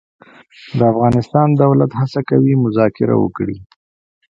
د افغانستان دولت هڅه کوي مذاکره وکړي.